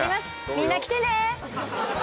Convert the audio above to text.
みんな来てね！